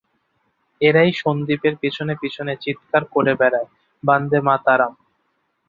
– এরাই সন্দীপের পিছনে পিছনে চীৎকার করে বেড়ায়, বন্দেমাতরং!